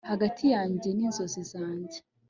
hagati yanjye n'inzozi zanjye